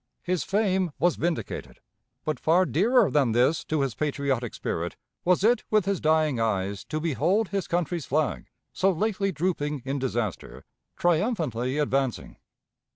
His fame was vindicated, but far dearer than this to his patriotic spirit was it with his dying eyes to behold his country's flag, so lately drooping in disaster, triumphantly advancing.